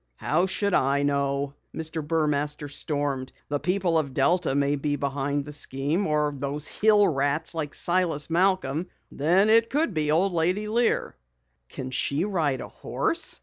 "How should I know!" Mr. Burmaster stormed. "The townspeople of Delta may be behind the scheme. Or those hill rats like Silas Malcom! Then it could be Old Lady Lear." "Can she ride a horse?"